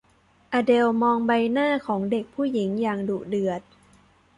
อเดลมองใบหน้าของเด็กผู้หญิงอย่างดุเดือด